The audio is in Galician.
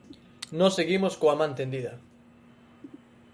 Nós seguimos coa man tendida.